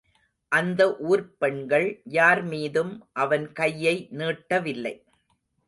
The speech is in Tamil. அந்த ஊர்ப்பெண்கள் யார்மீதும் அவன் கையை நீட்டவில்லை.